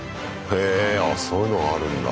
へああそういうのがあるんだ。